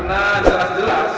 ya allah astagfirullah a inclusive